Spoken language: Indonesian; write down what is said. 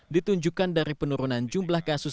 ditunjukkan dari penurunan jumlah kasus